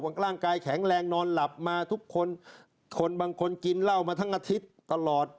บางคนร่างกายแข็งแรงนอนหลับมาบางคนกินเหล้ามาทั้งอาทิตย์ตลอด